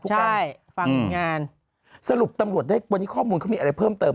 ฟังงานสรุปตำรวจได้วันนี้ข้อมูลเขามีอะไรเพิ่มเติม